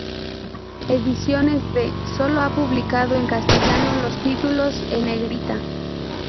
Ediciones B solo ha publicado en castellano los títulos en negrita.